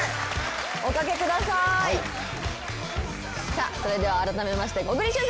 さあそれではあらためまして小栗旬さんです。